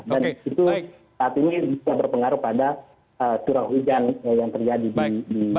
dan itu saat ini bisa berpengaruh pada curah hujan yang terjadi di indonesia